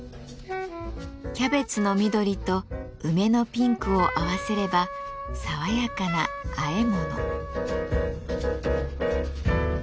キャベツの緑と梅のピンクを合わせれば爽やかなあえ物。